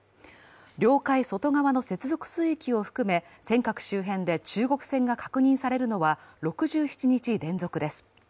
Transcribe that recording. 領海外側の接続水域を含め尖閣周辺で中国船が確認されるのは６７日連続です。